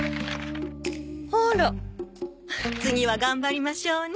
あら次は頑張りましょうね。